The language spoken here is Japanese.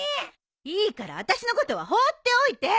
いいから私のことは放っておいて！